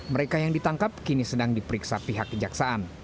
mereka yang ditangkap kini sedang diperiksa pihak kejaksaan